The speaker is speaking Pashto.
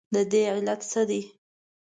ددې علت څه دی؟